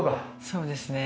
そうですね。